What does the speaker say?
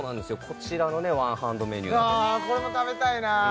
こちらのワンハンドメニューああこれも食べたいなあ